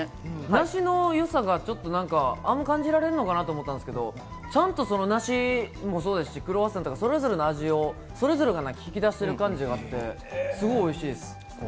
梨のよさが感じられないかと思ったんですけど、ちゃんと梨もそうですし、クロワッサンもそうですし、それぞれが引き出してる感じがあって、すごいおいしいです。